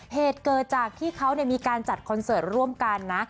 เหตุเกิดจากที่เขามีการจัดคอนเสิร์ตร่วมกันนะ